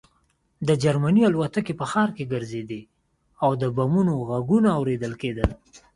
د جرمني الوتکې په ښار ګرځېدې او د بمونو غږونه اورېدل کېدل